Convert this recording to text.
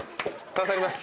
刺さります。